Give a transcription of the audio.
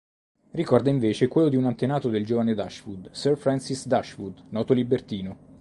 Ricorda invece quello di un antenato del giovane Dashwood, Sir Francis Dashwood, noto libertino.